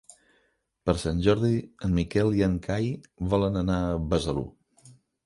Per Sant Jordi en Miquel i en Cai volen anar a Besalú.